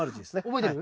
覚えてる？